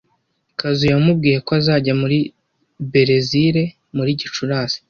Kazu yamubwiye ko azajya muri Berezile muri Gicurasi.